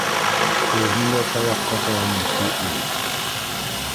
Ул ниндәй таяҡҡа таяныу ти ул?